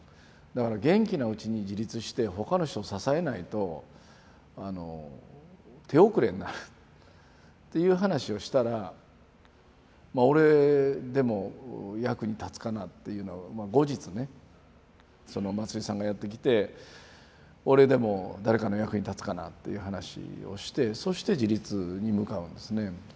だから元気なうちに自立して他の人を支えないと手遅れになるっていう話をしたら俺でも役に立つかなって後日ねその松井さんがやって来て俺でも誰かの役に立つかなっていう話をしてそして自立に向かうんですね。